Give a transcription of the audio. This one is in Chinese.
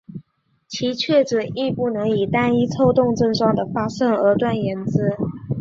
其确诊亦不能以单一抽动症状的发生而断言之。